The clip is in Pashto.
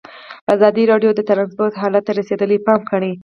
ازادي راډیو د ترانسپورټ حالت ته رسېدلي پام کړی.